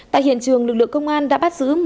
tại hiện trường lực lượng công an đã bắt giữ